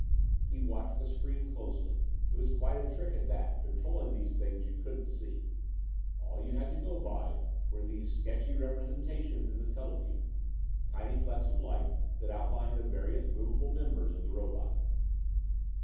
He watched the screen closely. It was quite a trick, at that, controlling these things you couldn't see. All you had to go by were these sketchy representations in the teleview; tiny flecks of light that outlined the various movable members of the robot.